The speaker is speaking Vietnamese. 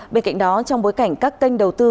bên cạnh đó trong bối cảnh các kênh đầu tư